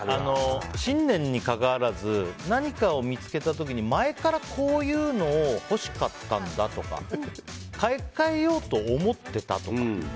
新年にかかわらず何かを見つけた時に前からこういうのを欲しかったんだとか買い替えようと思ってたとか。